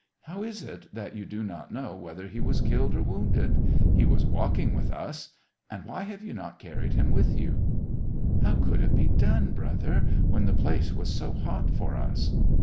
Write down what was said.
*' How is it that you do not know whether he was killed or wounded } He was walking with us. And why have you not carried him with you }" "How could it be done, brother^ when the place was so hot for us